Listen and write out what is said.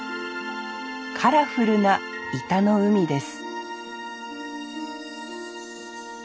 カラフルな井田の海です